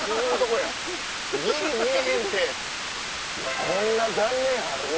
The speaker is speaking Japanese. こんな残念ある？